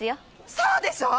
そうでしょう！